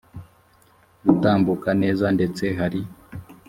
gutambuka neza ndetse hari